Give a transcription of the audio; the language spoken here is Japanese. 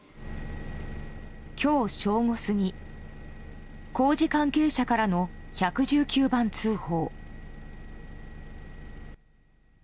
今日正午過ぎ工事関係者からの１１９番通報。